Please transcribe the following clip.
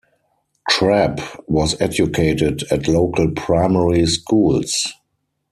Crabb was educated at local primary schools.